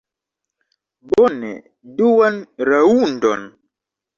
Bone, duan raŭndon!